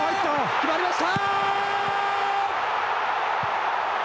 決まりました。